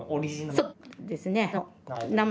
そうですね。